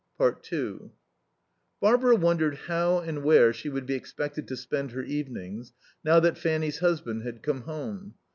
2 Barbara wondered how and where she would be expected to spend her evenings now that Fanny's husband had come home.